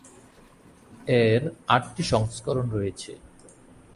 এর আটটি সংস্করণ রয়েছে।